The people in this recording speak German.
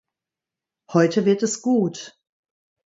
Heute wird es gut.